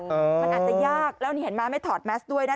มันอาจจะยากแล้วนี่เห็นไหมไม่ถอดแมสด้วยนะคะ